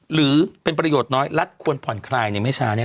หรือเป็นประโยชน์น้อยรัฐควรผ่อนคลายในไม่ช้าแน่